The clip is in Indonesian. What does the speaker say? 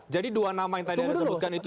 jadi dua nama yang tadi ada disebutkan itu